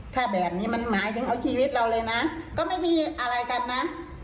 ถ้าแบบนี้มันหมายถึงเอาชีวิตเราเลยนะก็ไม่มีอะไรกันนะ